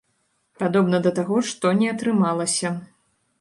Падобна да таго, што не атрымалася.